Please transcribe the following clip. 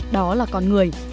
đó là con người